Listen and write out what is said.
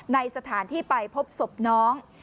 ในสถานที่ไปพบศพน้อง